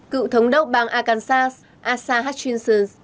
cựu thống đốc bang arkansas asa hutchinson